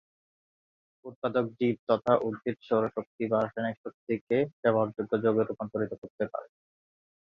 উৎপাদক জীব তথা উদ্ভিদ সৌর শক্তি বা রাসায়নিক শক্তিকে ব্যবহারযোগ্য যৌগে রূপান্তরিত করতে পারে।